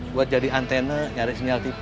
buat jadi antena nyari sinyal tipe